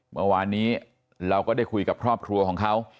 เมื่อวานนี้เราก็ได้คุยกับครอบครัวของเขา